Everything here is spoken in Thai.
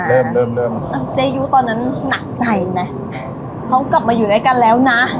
เริ่มเริ่มเริ่มเจยุตอนนั้นหนักใจไหมเขากลับมาอยู่ด้วยกันแล้วนะ